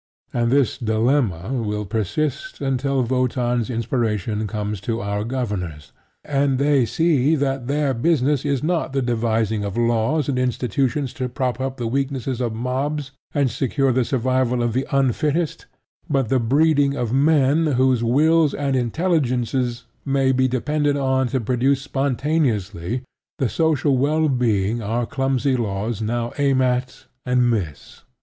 And this dilemma will persist until Wotan's inspiration comes to our governors, and they see that their business is not the devising of laws and institutions to prop up the weaknesses of mobs and secure the survival of the unfittest, but the breeding of men whose wills and intelligences may be depended on to produce spontaneously the social well being our clumsy laws now aim at and miss.